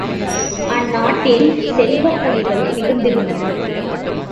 அந்நாட்டில் செல்வக் குடிகள் மிகுந்திருந்தன.